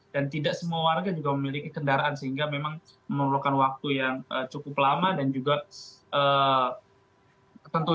yang tidak semua warga juga memiliki evakuasi